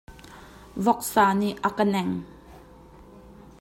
Voksa nih a ka neng.